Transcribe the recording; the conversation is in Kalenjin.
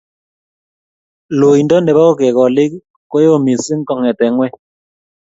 Loindo nebo kekolik ko yoo mising kongete ngweny